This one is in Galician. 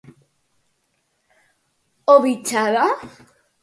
O Vichada?